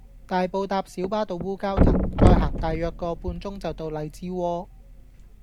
大埔搭小巴到烏蛟騰，再行大約個半鐘就到荔枝窩